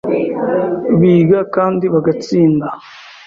biga kandi bagatsinda